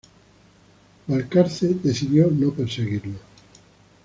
Balcarce decidió no perseguirlos.